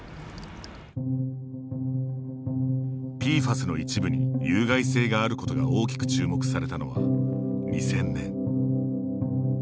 ＰＦＡＳの一部に有害性があることが大きく注目されたのは２０００年。